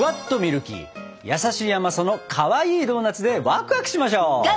優しい甘さのかわいいドーナツでワクワクしましょ！